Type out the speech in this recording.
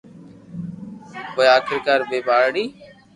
پوءِ آخرڪار، ٻي ٻارڙي؛